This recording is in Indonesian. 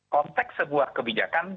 konteks sebuah kebijakan